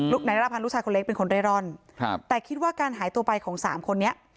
นายนรพันธ์ลูกชายคนเล็กเป็นคนเร่ร่อนครับแต่คิดว่าการหายตัวไปของสามคนนี้